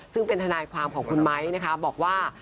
ซึ่งเป็นทนายความของคุณไม้นะคะบอกว่า